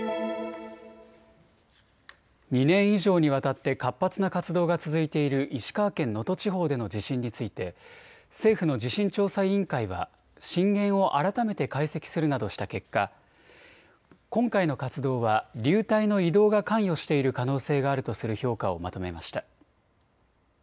２年以上にわたって活発な活動が続いている石川県能登地方での地震について政府の地震調査委員会は震源を改めて解析するなどした結果、今回の活動は流体の移動が関与している可能性があるとする評価をまとめました。